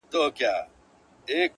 ستا هره گيله مي لا په ياد کي ده-